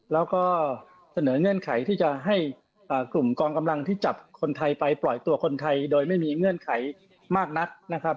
แล้วก็เสนอเงื่อนไขที่จะให้กลุ่มกองกำลังที่จับคนไทยไปปล่อยตัวคนไทยโดยไม่มีเงื่อนไขมากนักนะครับ